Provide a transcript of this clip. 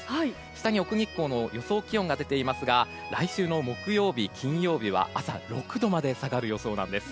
下に奥日光の予想気温が出ていますが来週の木曜日、金曜日は朝６度まで下がる予想なんです。